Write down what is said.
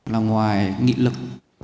là ngoài nghị lực